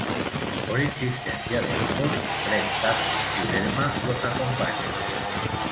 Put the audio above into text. Por insistencia de ambos, Fred, Daphne y Velma los acompañan.